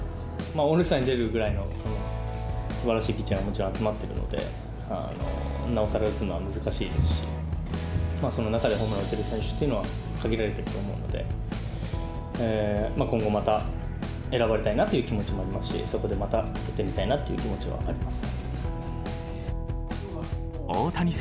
オールスターに出るぐらいのすばらしいピッチャー、投手が集まっているので、なおさら打つのは難しいですし、その中でホームランを打てる選手というのは限られていると思うので、今後また選ばれたいなという気持ちもありますし、そこでまた打ってみたいなという気持ちはあります。